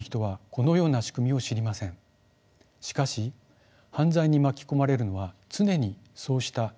しかし犯罪に巻き込まれるのは常にそうした一般の方々なのです。